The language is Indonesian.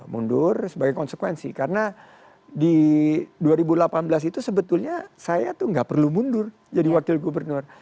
mundur sebagai konsekuensi karena di dua ribu delapan belas itu sebetulnya saya tuh gak perlu mundur jadi wakil gubernur